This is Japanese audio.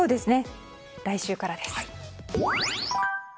来週からです。